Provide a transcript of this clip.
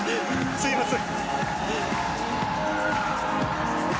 すみません。